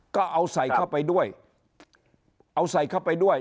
ก็เอาใส่เข้าไปด้วยเอาใส่เข้าไปด้วย